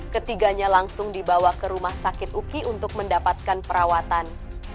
ketiganya langsung dibawa ke rumah sakit uki untuk mendapatkan perawatan